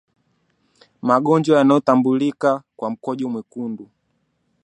Magonjwa yanayotambulika kwa mkojo mwekundu